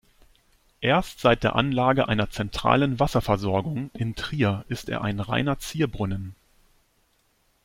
Erst seit der Anlage einer zentralen Wasserversorgung in Trier ist er ein reiner Zierbrunnen.